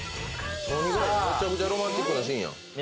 めちゃくちゃロマンチックなシーンやん。